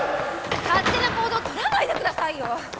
勝手な行動とらないでくださいよ！